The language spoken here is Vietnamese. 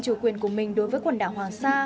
chủ quyền của mình đối với quần đảo hoàng sa